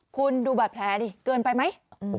คุณดูบาดแผลดิเกินไปไหม